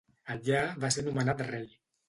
Allà, va ser nomenat rei.